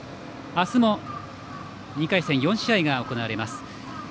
明日も２回戦４試合が行われます。